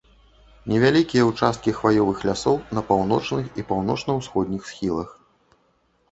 Невялікія ўчасткі хваёвых лясоў на паўночных і паўночна-ўсходніх схілах.